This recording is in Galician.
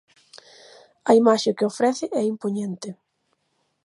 A imaxe que ofrece é impoñente.